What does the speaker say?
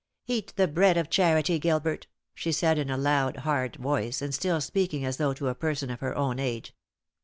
"Eat the bread of charity, Gilbert!" she said in a loud, hard voice, and still speaking as though to a person of her own age.